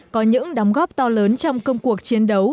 có những đóng góp to lớn trong công cuộc chiến đấu